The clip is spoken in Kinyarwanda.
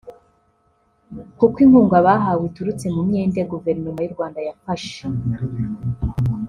kuko inkunga bahawe iturutse mu myenda Guverinoma y’u Rwanda yafashe